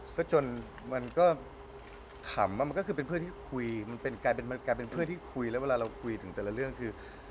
ซะจนมันก็ขำมันก็คือเป็นเพื่อนที่คุยมันเป็นกลายเป็นเพื่อนที่คุยแล้วเวลาเราคุยถึงแต่ละเรื่องคือ